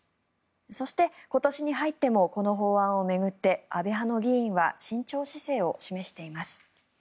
そして、今年に入ってもこの法案を巡って安倍派の議員は慎重姿勢を示しています。